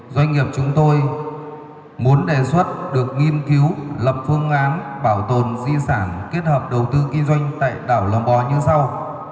doanh nghiệp chúng tôi muốn đề xuất được nghiên cứu lập phương án bảo tồn di sản kết hợp đầu tư kinh doanh tại đảo lò bò như sau